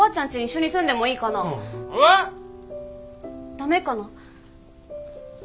ダメかな？